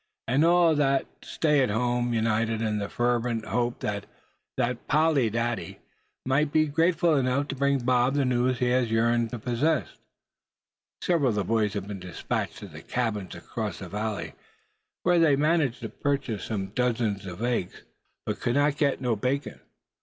And all of the stay at homes united in the fervent hope that Polly Dady might be grateful enough to bring Bob the news he yearned to possess. Several of the boys had been dispatched to the cabins across the valley, where they managed to purchase some dozens of eggs, but could get no bacon.